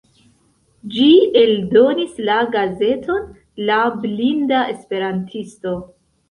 Ĝi eldonis la gazeton "La Blinda Esperantisto".